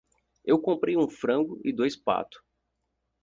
Eu comprei um frango e dois pato.